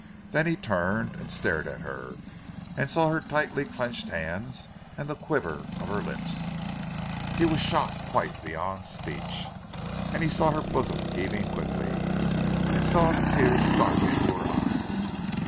Then he turned and stared at her, and saw her tightly clenched hands, and the quivering of her lips. He was shocked quite beyond speech. And he saw her bosom heaving quickly, and saw the tears start into her eyes.